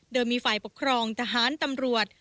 โดยมีฝ่ายปกครองทหารตำรวจ